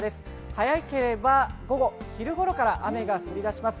早ければ午後、昼ごろから雨が降り出します。